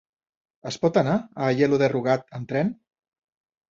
Es pot anar a Aielo de Rugat amb tren?